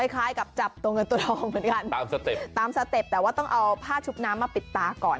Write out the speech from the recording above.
คล้ายกับจับตัวเงินตัวทองเหมือนกันตามสเต็ปตามสเต็ปแต่ว่าต้องเอาผ้าชุบน้ำมาปิดตาก่อน